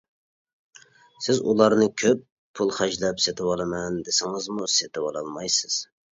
سىز ئۇلارنى كۆپ پۇل خەجلەپ سېتىۋالىمەن دېسىڭىزمۇ سېتىۋالالمايسىز.